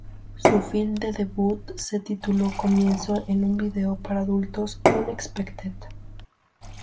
Su film de debut se tituló comienzo en vídeo para adultos "Unexpected".